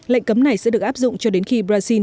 lệnh cấm này sẽ được áp dụng cho đến khi brazil